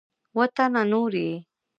اووه تنه نور یې